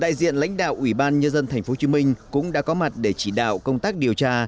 đại diện lãnh đạo ủy ban nhân dân tp hcm cũng đã có mặt để chỉ đạo công tác điều tra